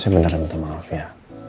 saya benar minta maaf ya